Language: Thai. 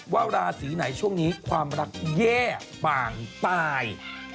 ว่าราศีไหนช่วงนี้ความรักแย่ป่างตาย